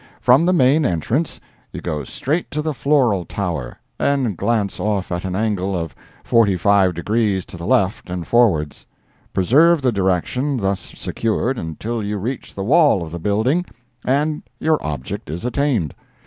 From the main entrance, you go straight to the floral tower, and glance off at an angle of forty five degrees to the left and forwards; preserve the direction thus secured until you reach the wall of the building, and your object is attained.